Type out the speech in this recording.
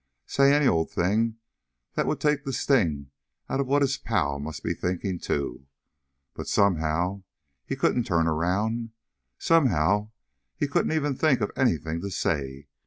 Say any old thing that would take the sting out of what his pal must be thinking, too. But somehow he couldn't turn around. Somehow he couldn't even think of anything to say.